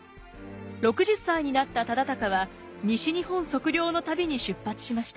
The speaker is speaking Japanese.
６０歳になった忠敬は西日本測量の旅に出発しました。